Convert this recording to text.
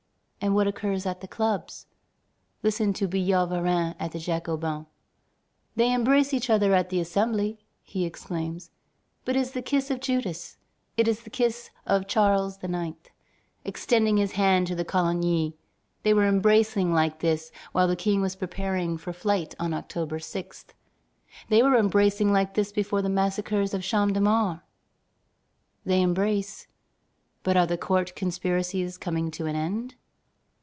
And what occurs at the clubs? Listen to Billaud Varennes at the Jacobins: "They embrace each other at the Assembly," he exclaims; "it is the kiss of Judas, it is the kiss of Charles IX., extending his hand to Coligny. They were embracing like this while the King was preparing for flight on October 6. They were embracing like this before the massacres of the Champ de Mars. They embrace, but are the court conspiracies coming to an end?